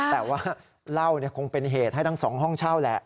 แต่ว่าเล่าคงเป็นเหตุให้ทั้งสองห้องเช่าแหละ